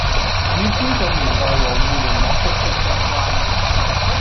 與資訊年代和互聯網息息相關